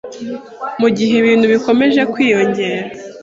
Mu gihe ibintu bikomeje kwiyongera